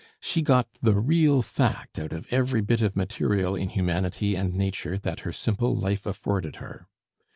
She got the real fact out of every bit of material in humanity and nature that her simple life afforded her.